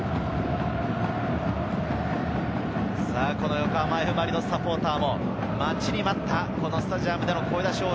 横浜Ｆ・マリノスサポーターも待ちに待ったスタジアムでの声出し応援。